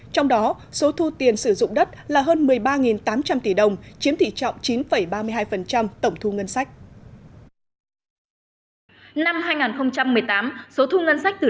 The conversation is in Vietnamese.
trong đó số thu tiền sử dụng đất là hơn một mươi ba tám trăm linh tỷ đồng chiếm tỷ trọng chín ba mươi hai tổng thu ngân sách